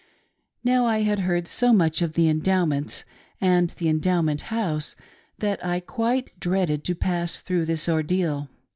Now, I had heard so much of the Endowments and the Endowment House that I quite dreaded to pass through this ordeal.